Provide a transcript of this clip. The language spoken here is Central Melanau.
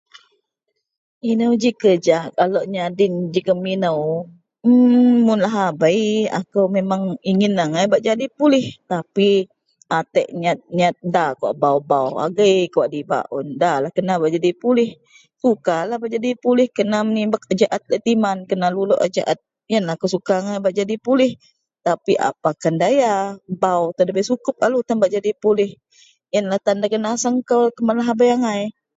Ino ji kerja Kaau lok jadi ino jegem ino kah..hmmmm mun lahabei akou lok bak jadi polih atek nyat da kawak baau baau agei kawak dibak un da kena bak jadi polih bak menimok a jaat laei timan iyen akou suka bak jadi pulih tapi apakan daya basubtou da sukup lalu bak jadi pulih. Iyenlah tan dagen naseng kuman lahbei angai.